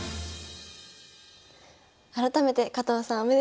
改めて加藤さん